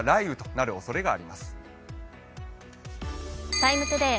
「ＴＩＭＥ，ＴＯＤＡＹ」